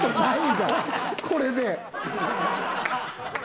これで。